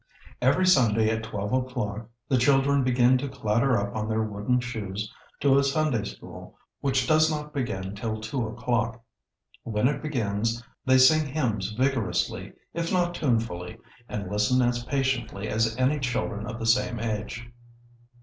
] Every Sunday at twelve o'clock the children begin to clatter up on their wooden shoes to a Sunday School which does not begin till two o'clock.... When it begins they sing hymns vigorously if not tunefully, and listen as patiently as any children of the same age.